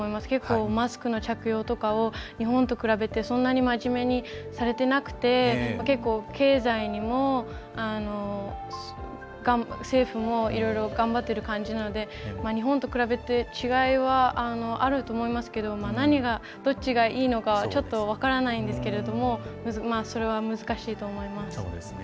結構、マスクの着用とかを日本と比べてそんなに真面目にされていなくて結構、経済にも、政府もいろいろ頑張ってる感じなので日本と比べて違いはあると思いますけど何がどっちがいいのかちょっと分からないんですけどそれは、難しいと思います。